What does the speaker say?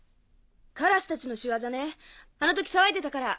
カラスたちの仕業ねあの時騒いでたから。